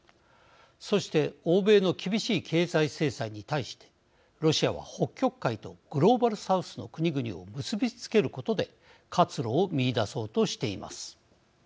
そして欧米の厳しい経済制裁に対してロシアは北極海とグローバル・サウスの国々を結び付けることで活路を見いだそうとしています。